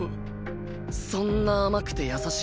そんな甘くて優しい奴